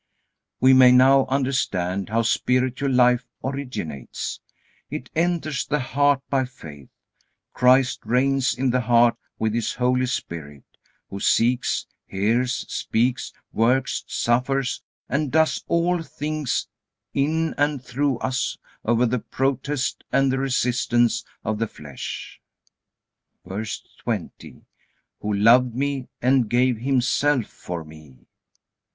We may now understand how spiritual life originates. It enters the heart by faith. Christ reigns in the heart with His Holy Spirit, who sees, hears, speaks, works, suffers, and does all things in and through us over the protest and the resistance of the flesh. VERSE 20. Who loved me, and gave himself for me.